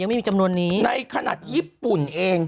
ไม่มีจำนวนนี้ในขนาดญี่ปุ่นเอง